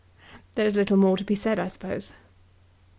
There is little more to be said, I suppose."